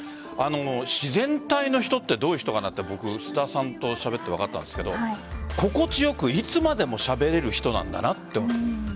自然体の人ってどういう人かなって、僕菅田さんとしゃべって分かったんですが心地よく、いつまでもしゃべれる人なんだなと。